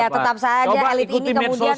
iya tetap saja elit ini kemudian di medsos